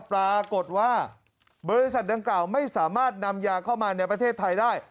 ปรากฏว่าบริษัทดังกล่าวไม่สามารถนำยาเข้ามาในประเทศไทยได้